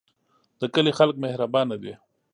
د کلی خلک مهربانه دي